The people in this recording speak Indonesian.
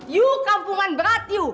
you kampungan berat you